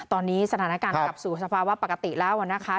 ตอนนี้สถานการณ์กลับสู่สภาวะปกติแล้วนะคะ